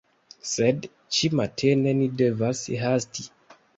Sed, Ĉi matene ni devas hasti